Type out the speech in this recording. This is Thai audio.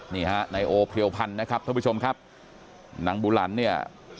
นี่ฮะนายโอเพรียวพันธ์นะครับท่านผู้ชมครับนางบุหลันเนี่ย